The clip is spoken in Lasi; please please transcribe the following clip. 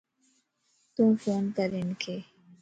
تُون فون ڪَر ھنک